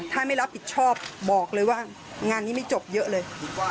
ถ้าไม่รับผิดชอบบอกเลยว่างานนี้ไม่จบเยอะเลย